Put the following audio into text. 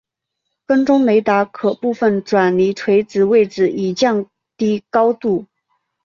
跟踪雷达可部分转离垂直位置以降低高度。